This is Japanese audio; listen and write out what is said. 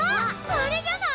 あれじゃない！？